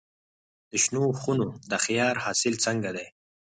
د شنو خونو د خیار حاصل څنګه دی؟